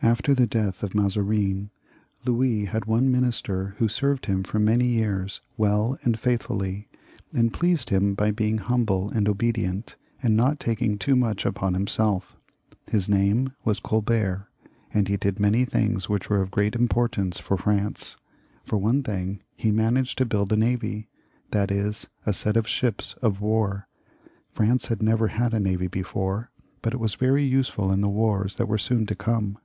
After the death of Mazarin, Louis had one minister who served him for many years well and faithfully, and pleased him by being humble and obedient, and not taking too much upon himself. His name was Colbert, and he did many things which were of great importance for France. For one thing, he managed to build a navy, that is, a set of 342 LOUIS XIV, [CH. ships of war. France had never had a navy before, but it was very useful in the wars that were soon to come.